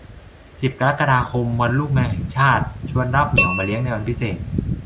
สิบ กรกฎาคม วันลูกแมวแห่งชาติ ชวนรับเหมียวมาเลี้ยงในวันพิเศษ